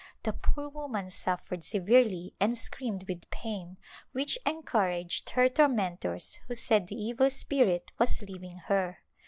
The poor woman suffered severely and screamed with pain, which encouraged her tormentors who said the evil spirit was leaving her.